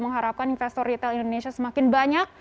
mengharapkan investor retail indonesia semakin banyak